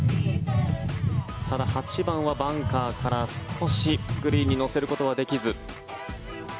ただ８番はバンカーから少しグリーンに乗せることはできず。